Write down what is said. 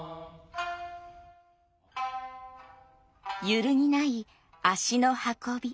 揺るぎない足の運び。